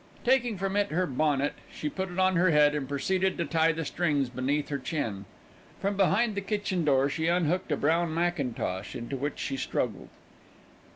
Taking from it her bonnet, she put it on her head and proceeded to tie the strings beneath her chin. From behind the kitchen door she unhooked a brown mackintosh, into which she struggled.